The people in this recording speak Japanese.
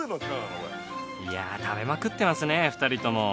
いやあ食べまくってますね２人とも。